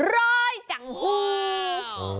ร้อยจังหวัด